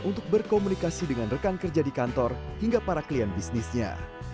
untuk berkomunikasi dengan rekan kerja di kantor hingga para klien bisnisnya